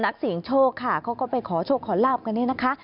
เขาก็ไปขอโชคขอลาบกันเนี่ยนะคะ